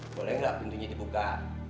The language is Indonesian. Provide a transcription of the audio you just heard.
boleh gak pintunya dibuka